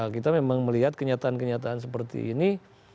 kita memang melihat kenyataan kenyataan seperti ini